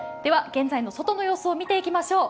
現在の外の様子を見ていきましょう。